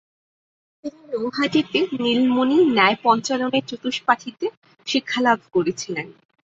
তিনি নৈহাটিতে নীলমণি ন্যায়পঞ্চাননের চতুষ্পাঠীতে শিক্ষালাভ করেছিলেন ।